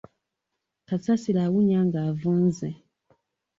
Kasasiro awunya nga avunze.